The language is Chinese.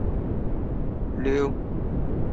长触合跳蛛为跳蛛科合跳蛛属的动物。